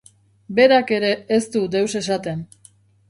Berak ere ez du deus esaten.